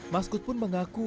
maskud pun mengaku